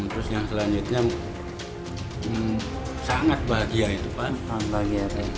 terus yang selanjutnya sangat bahagia itu pak